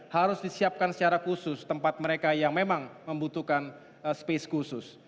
harus disiapkan secara khusus tempat mereka yang memang membutuhkan space khusus